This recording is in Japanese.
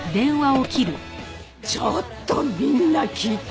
ちょっとみんな聞いて。